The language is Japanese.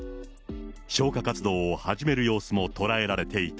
消火活動を始める様子も捉えられていた。